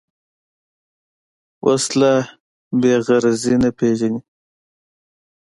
وسله بېغرضي نه پېژني